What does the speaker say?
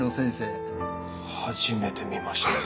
初めて見ました。